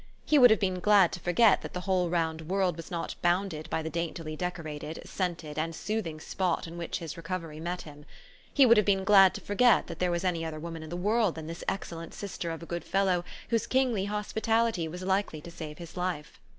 He would have been glad to forget that the whole round world THE STORY OF AVIS. 167 was not bounded by the daintily decorated, scented, and soothing spot in which his recovery met him. He would have been glad to forget that there was any other woman in the world than this excellent sister of a good fellow whose kingly hospitality was likely to save his life.